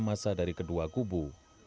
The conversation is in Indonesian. masa dari kedua kubu